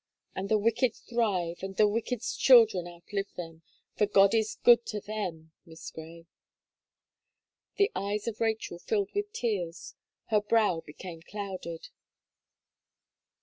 And the wicked thrive, and the wicked's children outlive them, for God is good to them, Miss Gray." The eyes of Rachel filled with tears; her brow became clouded.